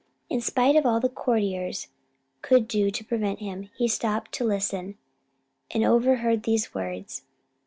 In spite of all the courtiers could do to prevent him, he stopped to listen, and overheard these words.